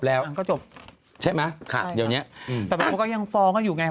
ครับเดี๋ยวนี้